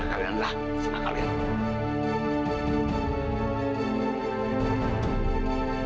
kalian bisa coba tinggal di rumah